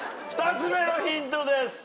２つ目のヒントです。